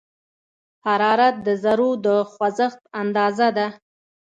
حرارت د ذرّو د خوځښت اندازه ده.